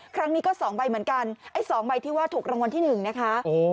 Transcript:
ครั้งนี้ก็๒ใบเหมือนกันไอ้๒ใบที่ว่าถูกรางวัลที่๑นะคะ